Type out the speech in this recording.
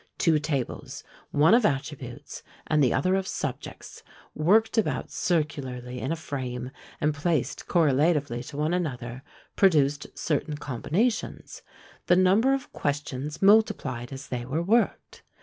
Two tables, one of attributes, and the other of subjects, worked about circularly in a frame, and placed correlatively to one another produced certain combinations; the number of questions multiplied as they were worked!